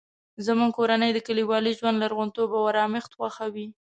زموږ کورنۍ د کلیوالي ژوند لرغونتوب او ارامښت خوښوي